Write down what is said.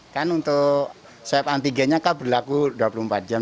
kan untuk swab antigennya kan berlaku dua puluh empat jam